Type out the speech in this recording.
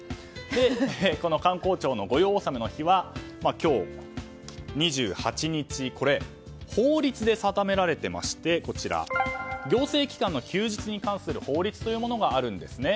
この官公庁の御用納めの日は今日２８日法律で定められていまして行政機関の休日に関する法律があるんですね。